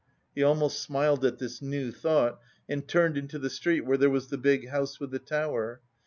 He almost smiled at this new thought and turned into the street where there was the big house with the tower.